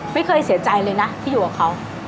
ไม่เคยเสียใจเลยนะที่อยู่กับเขา